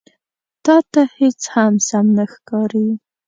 _تاته هېڅ هم سم نه ښکاري.